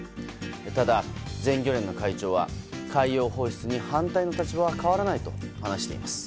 ただ、全漁連の会長は海洋放出に反対の立場は変わらないと話しています。